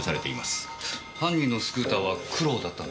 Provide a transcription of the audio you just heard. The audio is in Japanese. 犯人のスクーターは黒だったんですか？